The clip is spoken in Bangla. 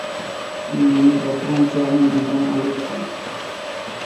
ইউনিয়নের বর্তমান চেয়ারম্যান ইমরান আলী রনি